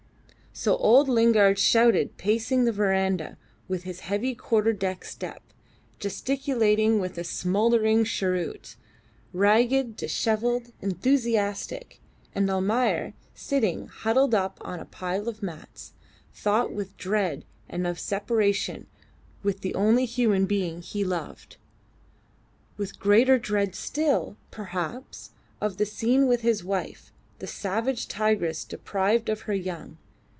So old Lingard shouted, pacing the verandah with his heavy quarter deck step, gesticulating with a smouldering cheroot; ragged, dishevelled, enthusiastic; and Almayer, sitting huddled up on a pile of mats, thought with dread of the separation with the only human being he loved with greater dread still, perhaps, of the scene with his wife, the savage tigress deprived of her young.